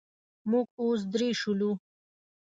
موږ اوس درې شولو.